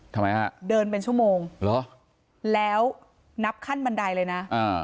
ทำไมฮะเดินเป็นชั่วโมงเหรอแล้วนับขั้นบันไดเลยนะอ่า